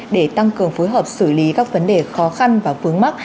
để tăng cường phối hợp xử lý các vấn đề khó khăn và vướng mắc